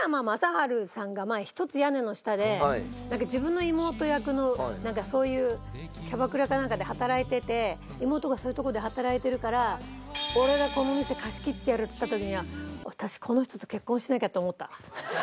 自分の妹役のなんかそういうキャバクラかなんかで働いてて妹がそういうとこで働いてるから俺がこの店貸し切ってやる！って言った時には私この人と結婚しなきゃと思った。